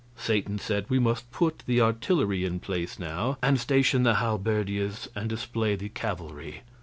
Satan said we must put the artillery in place now, and station the halberdiers and display the cavalry.